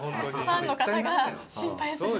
ファンの方が心配する。